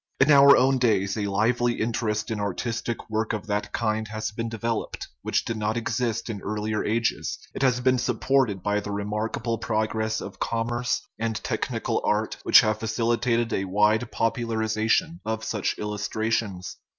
In our own days a lively interest in artistic work of that kind has been developed, which did not exist in earlier ages ; it has been supported by the re markable progress of commerce and technical art which have facilitated a wide popularization of such illustra tions.